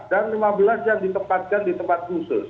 dan lima belas yang ditempatkan di tempat khusus